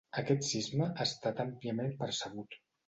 Aquest sisme ha estat àmpliament percebut.